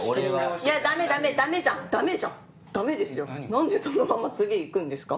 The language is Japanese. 何でそのまま次行くんですか？